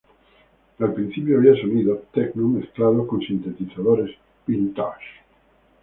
Al principio, había sonidos techno mezclados con sintetizadores vintage.